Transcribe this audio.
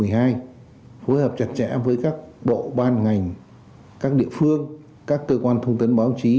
phối hợp chặt chẽ với các bộ ban ngành các địa phương các cơ quan thông tấn báo chí